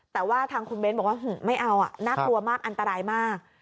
แต่ว่าทางคุณเบ้นบอกว่าไม่เอาน่ากลัวมากอันตรายมาก